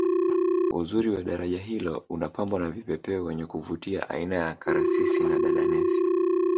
uzuri wa daraja hilo unapambwa na vipepeo wenye kuvutia aina ya karasisi na dadanesi